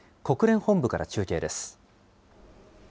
国連本部から中継です。